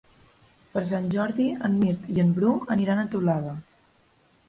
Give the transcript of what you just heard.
Per Sant Jordi en Mirt i en Bru aniran a Teulada.